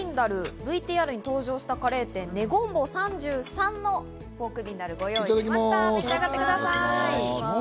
ＶＴＲに登場したカレー店、ｎｅｇｏｍｂｏ３３のポークビンダルーをご用意しました。